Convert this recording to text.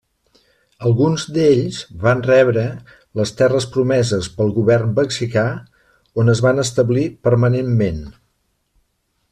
Alguns d'ells van rebre les terres promeses pel govern mexicà, on es van establir permanentment.